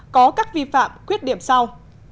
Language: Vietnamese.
có các vi phạm quyết điểm sau